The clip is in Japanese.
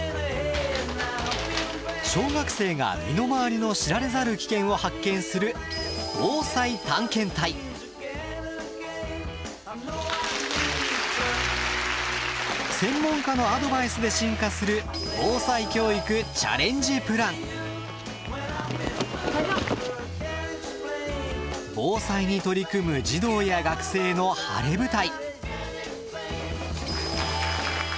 小学生が身の回りの知られざる危険を発見する専門家のアドバイスで進化する防災に取り組む児童や学生の晴れ舞台。